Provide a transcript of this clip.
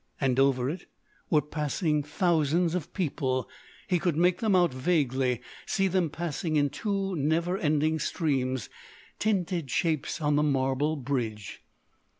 And over it were passing thousands of people—he could make them out vaguely—see them passing in two never ending streams—tinted shapes on the marble bridge.